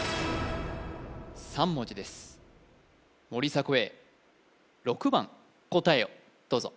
３文字です森迫永依６番答えをどうぞ